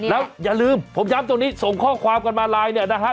แล้วอย่าลืมผมย้ำตรงนี้ส่งข้อความกันมาไลน์เนี่ยนะฮะ